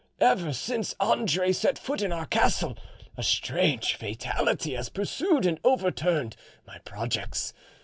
Ever since Andre set foot in our castle, a strange fatality has pursued and overturned my projects.